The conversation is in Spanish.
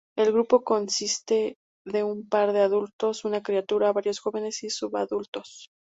El grupo consiste de un par de adultos, una criatura, varios jóvenes y subadultos.